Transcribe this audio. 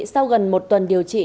sau gần một tuần điều trị